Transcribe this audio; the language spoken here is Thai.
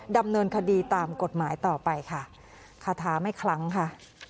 ดำเนินคดีตามกฎหมายต่อไปค่ะคาถาไม่คลั้งค่ะ